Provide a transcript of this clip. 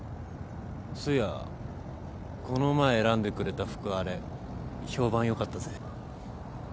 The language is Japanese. そういやこの前選んでくれた服あれ評判良かったぜ。